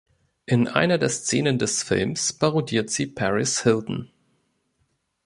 In einer der Szenen des Films parodiert sie Paris Hilton.